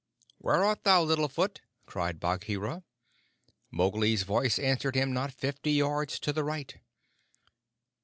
"Where art thou, Little Foot?" cried Bagheera. Mowgli's voice answered him not fifty yards to the right.